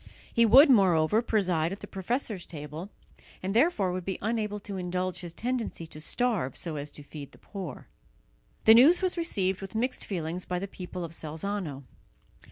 He would, moreover, preside at the professors' table, and therefore would be unable to indulge his tendency to starve so as to feed the poor. The news was received with mixed feelings by the people of Salzano.